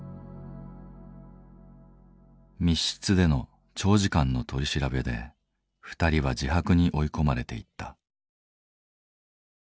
密室での長時間の取り調べで２人は自白に追い込まれていった。